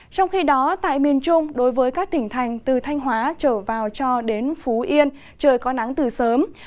trong khi đó tại miền trung đối với các tỉnh thành từ thanh hóa trở vào cho đến phú yên trời có nắng từ sớm